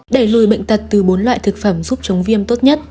đẩy lùi bệnh tật từ bốn loại thực phẩm giúp chống viêm tốt nhất